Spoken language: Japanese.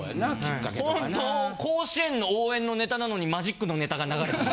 ほんと甲子園の応援のネタなのにマジックのネタが流れたり。